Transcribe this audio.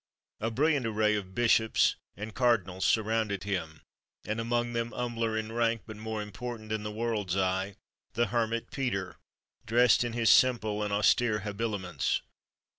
A brilliant array of bishops and cardinals surrounded him; and among them, humbler in rank, but more important in the world's eye, the Hermit Peter, dressed in his simple and austere habiliments.